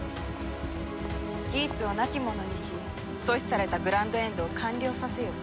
ギーツを亡き者にし阻止されたグランドエンドを完了させよと。